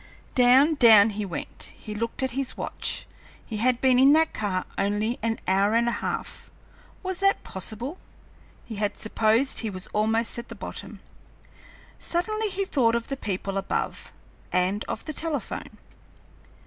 Down, down he went. He looked at his watch; he had been in that car only an hour and a half. Was that possible? He had supposed he was almost at the bottom. Suddenly he thought of the people above, and of the telephone.